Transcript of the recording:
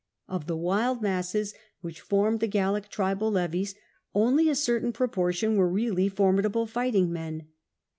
Of the wild masses which formed the Gallic tribal levies, only a certain proportion were really formidable fighting men.